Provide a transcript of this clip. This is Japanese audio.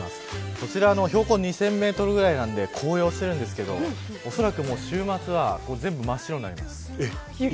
こちら、標高２０００メートルぐらいなんで紅葉してるんですけどおそらく週末は全部真っ白になります。